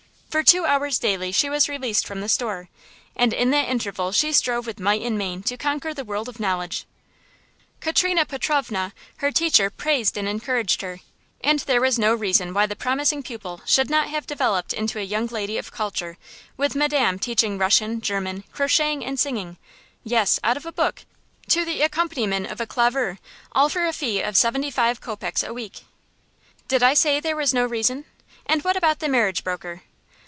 For two hours daily she was released from the store, and in that interval she strove with might and main to conquer the world of knowledge. Katrina Petrovna, her teacher, praised and encouraged her; and there was no reason why the promising pupil should not have developed into a young lady of culture, with Madame teaching Russian, German, crocheting, and singing yes, out of a book, to the accompaniment of a clavier all for a fee of seventy five kopecks a week. [Illustration: THE WOOD MARKET, POLOTZK] Did I say there was no reason? And what about the marriage broker?